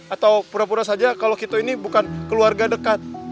atau pura pura saja kalau kita ini bukan keluarga dekat